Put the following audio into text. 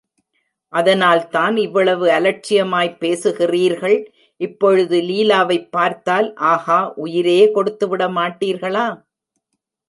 அதனால்தான் இவ்வளவு அலட்சியமாய்ப் பேசுகிறீர்கள், இப்பொழுது லீலாவைப் பார்த்தால், ஆஹா.... உயிரையே கொடுத்து விடமாட்டீர்களா!